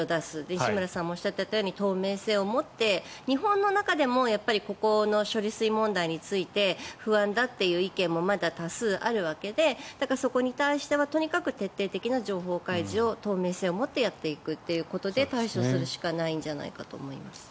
西村さんもおっしゃったように透明性を持って、日本の中でもここの処理水問題について不安だという意見もまだ多数あるわけでそこに対してはとにかく徹底的な情報開示を透明性を持ってやっていくということで対処するしかないかなと思います。